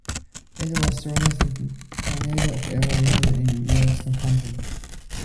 It was the strongest tornado ever recorded in Yellowstone County.